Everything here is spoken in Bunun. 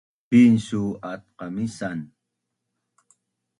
pin su at qamisan?